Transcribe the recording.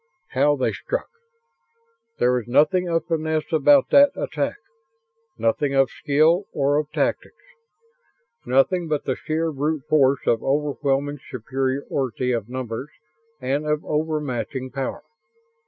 How they struck! There was nothing of finesse about that attack; nothing of skill or of tactics: nothing but the sheer brute force of overwhelming superiority of numbers and of over matching power.